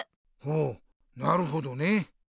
ほうなるほどね。